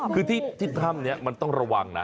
คือที่ถ้ำนี้มันต้องระวังนะ